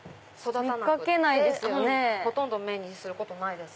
ほとんど目にすることないです。